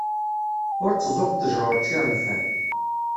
Ur tteẓẓuɣ ṭejra ur ččiɣ nfeɛ.